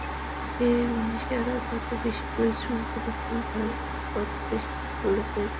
যেই মনীষীরা যত বেশি পরিশ্রম করেছেন তারা ততো বেশি সাফল্য পেয়ছেন।